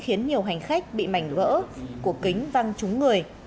khiến nhiều hành khách bị mảnh vỡ cột kính văng trúng người